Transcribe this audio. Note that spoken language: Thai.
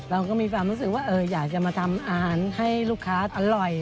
เราก็มีความรู้สึกว่าอยากจะมาทำอาหารให้ลูกค้าอร่อย